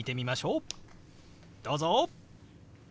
どうぞ！